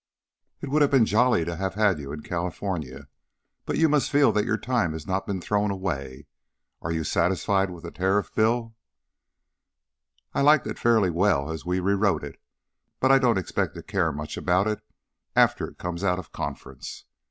"It would have been jolly to have had you in California. But you must feel that your time has not been thrown away. Are you satisfied with the Tariff Bill?" "I liked it fairly well as we re wrote it, but I don't expect to care much about it after it comes out of conference.